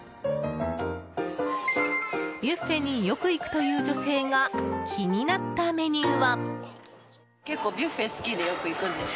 ビュッフェによく行くという女性が気になったメニューは。